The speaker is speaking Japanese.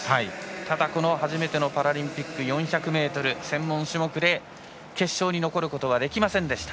ただ、初めてのパラリンピック４００ｍ専門種目で決勝に残ることはできませんでした。